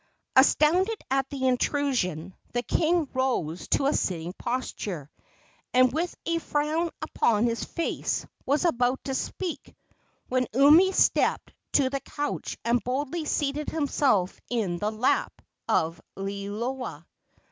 Astounded at the intrusion, the king rose to a sitting posture, and, with a frown upon his face, was about to speak, when Umi stepped to the couch and boldly seated himself in the lap of Liloa.